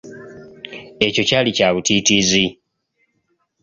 Ekyo kyali kya butiitiizi!